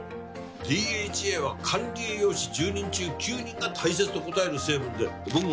ＤＨＡは管理栄養士１０人中９人が大切と答える成分で僕もね